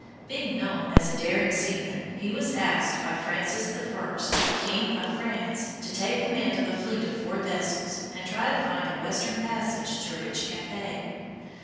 Being known as a daring seaman, he was asked by Francis I., King of France, to take command of a fleet of four vessels and try to find a western passage to rich Cathay.